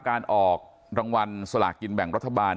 การออกรางวัลสลากกินแบ่งรัฐบาล